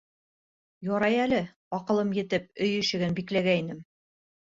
Ярай әле, аҡылым етеп, өй ишеген бикләгәйнем.